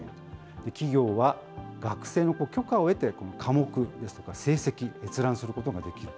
企業は学生の許可を得て、科目ですとか成績、閲覧することができる。